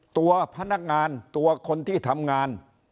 ตัวพนักงานตัวคนที่ทำงาน